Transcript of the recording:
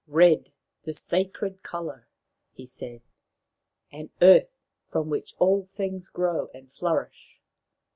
" Red, the sacred colour !" he said ;" and earth, from which all things grow and flourish.